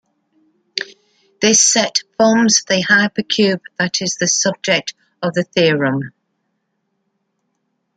This set forms the hypercube that is the subject of the theorem.